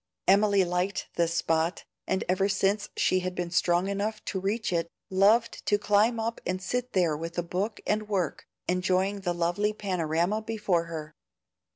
Emily liked this spot, and ever since she had been strong enough to reach it, loved to climb up and sit there with book and work, enjoying the lovely panorama before her.